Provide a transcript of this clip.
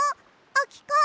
あきかん！？